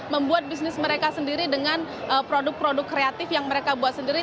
membuat bisnis mereka sendiri dengan produk produk kreatif yang mereka buat sendiri